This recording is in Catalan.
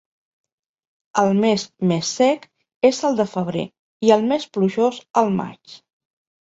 El mes més sec és el de febrer i el més plujós el maig.